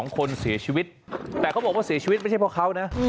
คนเสียชีวิตแต่เขาบอกว่าเสียชีวิตไม่ใช่เพราะเขานะ